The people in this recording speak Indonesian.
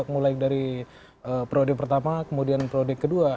mulai dari projek pertama kemudian projek kedua